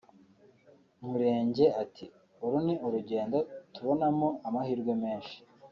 Mirenge ati “Uru ni urugendo tubonamo amahirwe menshi